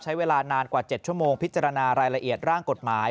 ใช้เวลานานกว่า๗ชั่วโมงพิจารณารายละเอียดร่างกฎหมาย